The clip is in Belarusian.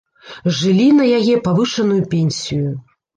Жылі на яе павышаную пенсію.